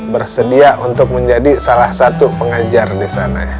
bersedia untuk menjadi salah satu pengajar di sana